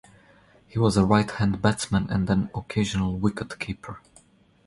He was a right-hand batsman and an occasional wicket-keeper.